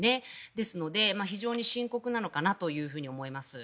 ですので非常に深刻なのかなと思います。